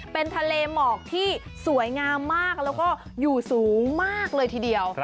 เป็นทะเลหมอกที่สวยงามมากแล้วก็อยู่สูงมากเลยทีเดียว